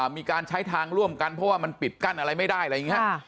มีการใช้ทางร่วมกันเพราะว่ามันปิดกั้นอะไรไม่ได้อะไรอย่างนี้